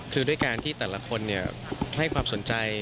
คือด้วยการที่แต่ละคนให้ความสนใจ